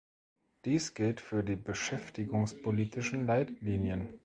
Das gilt für die beschäftigungspolitischen Leitlinien.